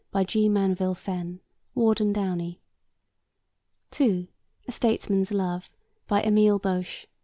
By G. Manville Fenn. (Ward and Downey.) (2) A Statesman's Love. By Emile Bauche.